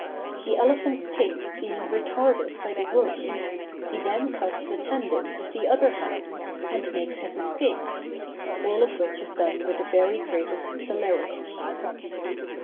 The elephant's pace being retarded by the wound, he then cuts the tendons of the other ham, and makes his escape; all of which is done with the very greatest celerity.